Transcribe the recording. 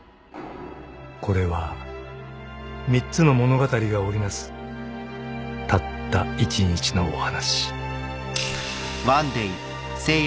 ［これは３つの物語が織り成すたった一日のお話］